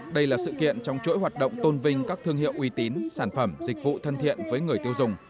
đây là sự kiện trong chuỗi hoạt động tôn vinh các thương hiệu uy tín sản phẩm dịch vụ thân thiện với người tiêu dùng